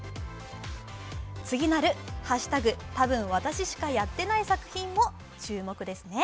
次なる「＃多分私しかやってない」作品も注目ですね。